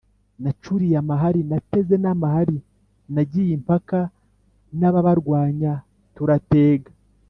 nacuriye amahari: nateze n’amahari nagiye impaka n’ababarwanya turatega